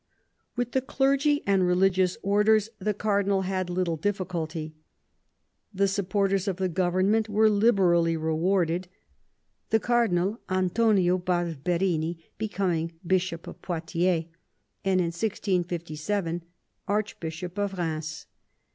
With the clergy and religious orders the cardinal had little difficulty. The supporters of the government were liberally rewarded ; the Cardinal Antonio Barberini be coming Bishop of Poitiers, and in 1657 Archbishop of Eheims.